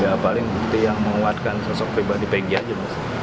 ya paling yang menguatkan sosok peggy aja